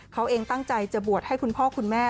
เขาเองตั้งใจจะบวชให้คุณพ่อคุณแม่